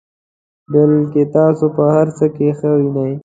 بلکې تاسو په هر څه کې ښه وینئ.